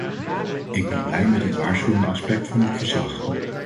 Ik ben blij met het waarschuwende aspect van het verslag.